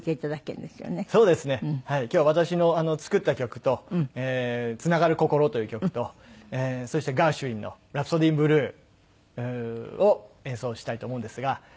今日は私の作った曲と『つながる心』という曲とそしてガーシュインの『ラプソディ・イン・ブルー』を演奏したいと思うんですが。